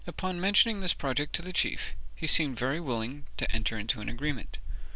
Upon mentioning this project to the chief he seemed very willing to enter into an agreement.